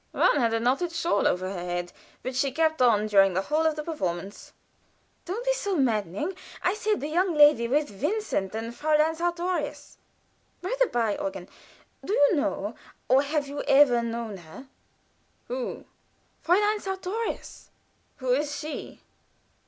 One had a knitted shawl over her head, which she kept on during the whole of the performance." "Don't be so maddening. I said the young lady with Vincent and Fräulein Sartorius. By the bye, Eugen, do you know, or have you ever known her?" "Who?" "Fräulein Sartorius." "Who is she?"